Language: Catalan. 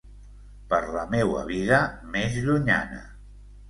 Per la meua vida més llunyana.